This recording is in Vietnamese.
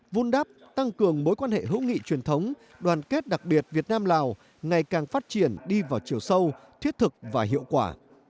vun đắp tăng cường mối quan hệ hữu nghị truyền thống đoàn kết đặc biệt việt nam lào ngày càng phát triển đi vào chiều sâu thiết thực và hiệu quả